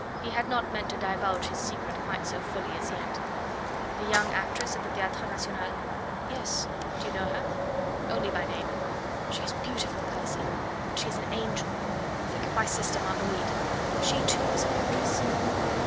He had not meant to divulge his secret quite so fully as yet. "The young actress at the Theatre National?" "Yes. Do you know her?" "Only by name." "She is beautiful, Percy, and she is an angel.... Think of my sister Marguerite... she, too, was an actress....